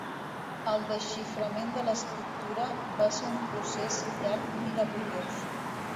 El desxiframent de l'escriptura va ser un procés llarg i laboriós.